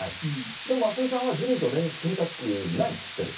でも松井さんは自民と連立組みたくないと言っている。